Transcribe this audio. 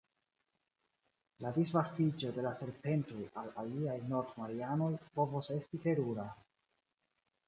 La disvastiĝo de la serpentoj al aliaj Nord-Marianoj povos esti terura.